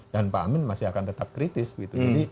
pak amin masih akan tetap kritis gitu